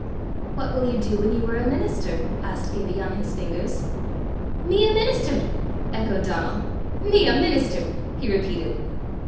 "What will you do when you are a minister?" asked Gibbie on his fingers. "Me a minnister?" echoed Donal. "Me a minnister!" he repeated.